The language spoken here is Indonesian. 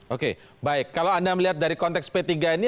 oke baik kalau anda melihat dari konteks p tiga ini